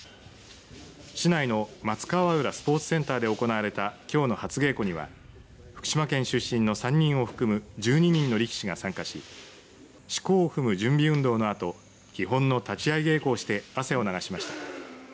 市内の松川浦スポーツセンターで行われた、きょうの初稽古には福島県出身の３人を含む１２人の力士が参加ししこを踏む準備運動のあと基本の立ち合い稽古をして汗を流しました。